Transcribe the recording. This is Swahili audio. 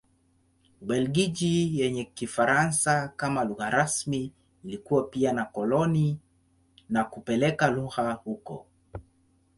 Ubelgiji yenye Kifaransa kama lugha rasmi ilikuwa pia na koloni na kupeleka lugha huko.